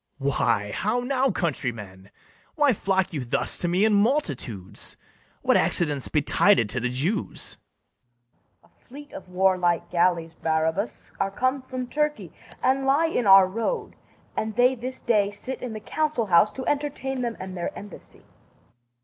Why, how now, countrymen! Why flock you thus to me in multitudes? What accident's betided to the Jews? FIRST JEW. A fleet of warlike galleys, Barabas, Are come from Turkey, and lie in our road: And they this day sit in the council house To entertain them and their embassy.